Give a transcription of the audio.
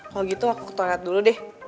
kalau gitu aku ke toilet dulu deh